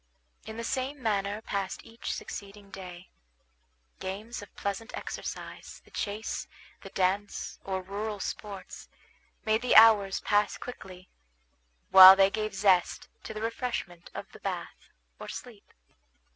In the same manner passed each succeeding day. Games of pleasant exercise, the chase, the dance, or rural sports, made the hours pass quickly; while they gave zest to the refreshment of the bath, or sleep.